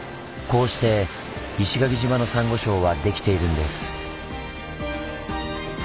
こうして石垣島のサンゴ礁はできているんです。